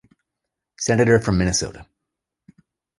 Senator from Minnesota.